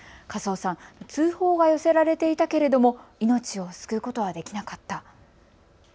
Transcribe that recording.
粕尾さん、通報は寄せられていたけれども命を救うことはできなかった。